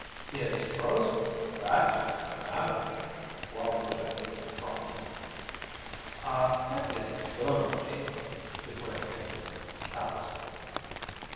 "It's frozen that's what's the matter," Wallie defended, promptly. "I think it's a bum cake," declared Pinkey, callously.